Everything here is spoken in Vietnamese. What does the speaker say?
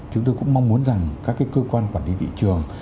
chúng tôi cũng mong muốn rằng các cơ quan quản lý thị trường